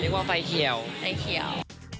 ว่าไฟเขียวไฟเขียว